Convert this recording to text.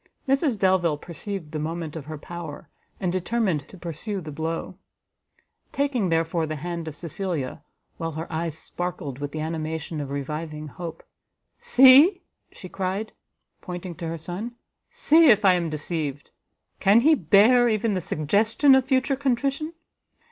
Mrs Delvile perceived the moment of her power, and determined to pursue the blow: taking, therefore, the hand of Cecilia, while her eyes sparkled with the animation of reviving hope, "See," she cried, pointing to her son, "see if I am deceived! can he bear even the suggestion of future contrition!